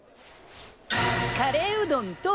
カレーうどんと。